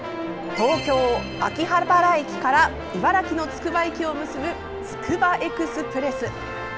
東京・秋葉原駅から茨城のつくば駅を結ぶつくばエクスプレス。